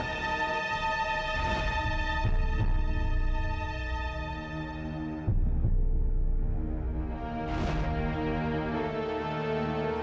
kamu lakukan apa